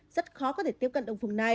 rất khó có thể tiếp cận đồng phùng này